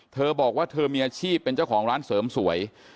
เธอบอกว่าเธอมีอาชีพเป็นเจ้าของร้านเสริมสวย